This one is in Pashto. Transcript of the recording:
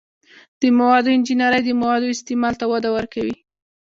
د موادو انجنیری د موادو استعمال ته وده ورکوي.